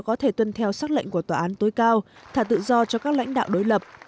có thể tuân theo sắc lệnh của tòa án tối cao thả tự do cho các lãnh đạo đối lập